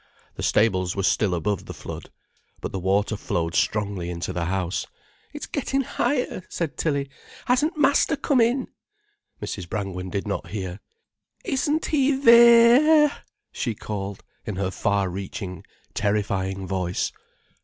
The stables were still above the flood. But the water flowed strongly into the house. "It's getting higher," said Tilly. "Hasn't master come in?" Mrs. Brangwen did not hear. "Isn't he the—ere?" she called, in her far reaching, terrifying voice.